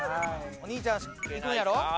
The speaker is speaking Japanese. お兄ちゃんいくんやろ？